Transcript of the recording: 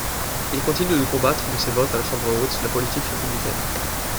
Il continue de combattre de ses votes à la Chambre haute la politique républicaine.